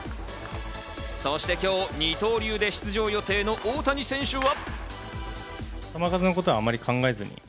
そして今日、二刀流で出場予定の大谷選手は。